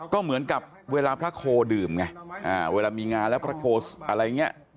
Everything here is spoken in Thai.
ก็เหมือนกับเวลาพระโคดื่มไงเวลามีงานแล้วพระโคสอะไรอย่างนี้